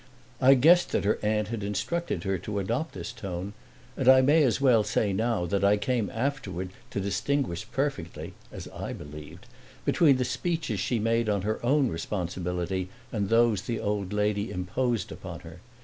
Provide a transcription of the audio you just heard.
I guessed that her aunt had instructed her to adopt this tone, and I may as well say now that I came afterward to distinguish perfectly (as I believed) between the speeches she made on her own responsibility and those the old lady imposed upon her.